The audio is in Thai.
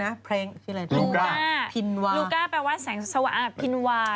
นี่เราจะขอพี่นาวินต้าจากโรงพยาบาลเลยนะคะ